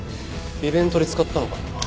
イベントで使ったのかな？